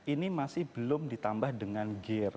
ini masih belum ditambah dengan gear